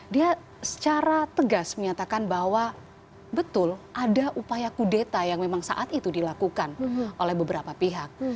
dia secara tegas menyatakan bahwa betul ada upaya kudeta yang memang saat itu dilakukan oleh beberapa pihak